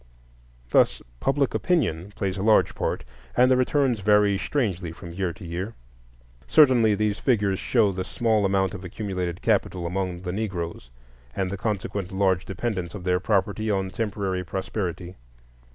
Thus public opinion plays a large part, and the returns vary strangely from year to year. Certainly these figures show the small amount of accumulated capital among the Negroes, and the consequent large dependence of their property on temporary prosperity.